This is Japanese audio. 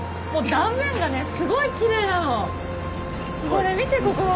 これ見てここ！